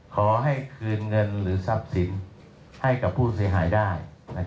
ขอให้คืนเงินหรือทรัพย์สินให้กับผู้เสียหายได้